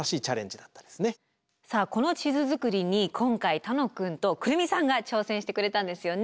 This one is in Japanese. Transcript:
さあこの地図作りに今回楽くんと来美さんが挑戦してくれたんですよね。